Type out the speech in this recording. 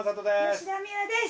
吉田美和です。